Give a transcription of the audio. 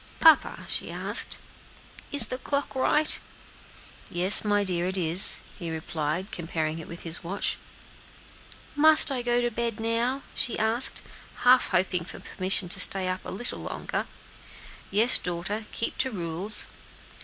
"Papa," she asked, "is the clock right?" "Yes, my dear, it is," he replied, comparing it with his watch. "And must I go to bed now?" she asked, half hoping for permission to stay up a little longer. "Yes, daughter; keep to rules."